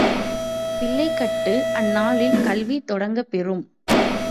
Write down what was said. பிள்ளைகட்கு அந்நாளில் கல்வி தொடங்கப்பெறும்.